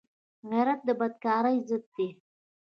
غیرت د بدکارۍ ضد دی